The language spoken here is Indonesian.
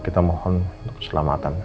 kita mohon selamatan